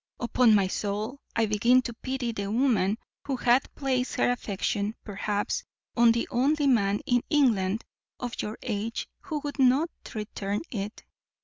Upon my soul, I begin to pity the woman, who hath placed her affection, perhaps, on the only man in England of your age who would not return it.